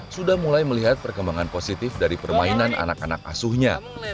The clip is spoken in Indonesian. sudah mulai melihat perkembangan positif dari permainan anak anak asuhnya